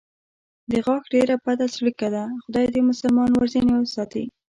د غاښ ډېره بده څړیکه ده، خدای دې مسلمان ورځنې ساتي.